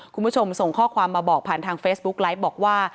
คุณผู้ชมส่งข้อความมาบอกผ่านทางเฟซบุ๊กไลฟ์บอกว่า